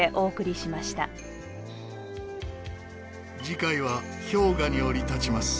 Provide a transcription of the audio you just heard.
次回は氷河に降り立ちます。